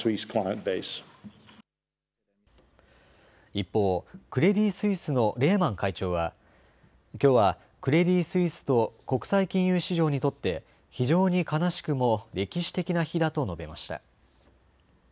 一方、クレディ・スイスのレーマン会長はきょうはクレディ・スイスと国際金融市場にとって非常に悲しくも歴史的な日だと述べました。